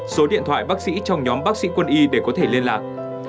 số điện thoại bác sĩ trong nhóm bác sĩ quân y để có thể liên lạc